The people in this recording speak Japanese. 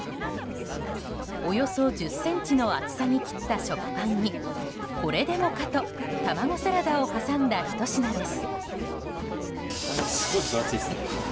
およそ１０ｃｍの厚さに切った食パンにこれでもかとタマゴサラダを挟んだひと品です。